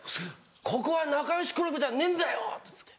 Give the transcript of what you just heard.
「ここは仲良しクラブじゃねえんだよ！」って言って。